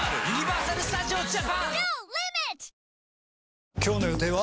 誕生今日の予定は？